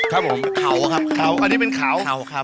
เขาครับอันนี้เป็นเขา